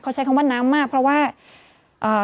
เค้าใช้คำว่าน้ำมากเพราะว่า